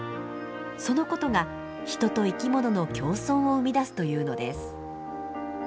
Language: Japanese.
そのことが人と生き物の共存を生み出すというのです。